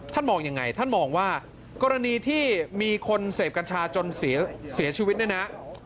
มองยังไงท่านมองว่ากรณีที่มีคนเสพกัญชาจนเสียชีวิตเนี่ยนะ